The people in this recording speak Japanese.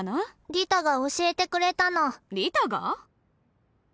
リタが教えてくれたのリタが？